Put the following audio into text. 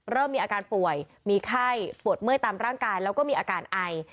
เริ่มมีอาการป่วยมีไข้ปวดเมื่อยตามร่างกายแล้วก็มีอาการไอ